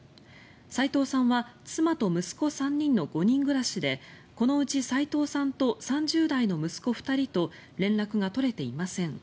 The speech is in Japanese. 齋藤さんは妻と息子３人の５人暮らしでこのうち齋藤さんと３０代の息子２人と連絡が取れていません。